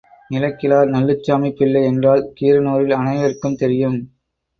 நிலக்கிழார் நல்லுச்சாமி பிள்ளை என்றால் கீரனூரில் அனைவருக்கும் தெரியும்.